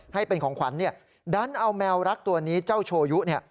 ให้เป็นของขวัญดันเอาแมวรักตัวนี้เจ้าโชยุเนี่ย